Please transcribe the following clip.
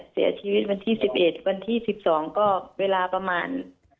เสียชีวิตวันที่๑๑วันที่๑๒ก็เวลาประมาณ